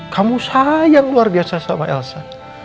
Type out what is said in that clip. kamu sayang luar biasa sama elsa